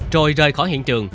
rồi rời khỏi hiện trường